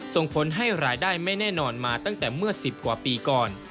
ส่งผลให้รายได้ไม่แน่นอนมาตั้งแต่เมื่อ๑๐กว่าปีก่อน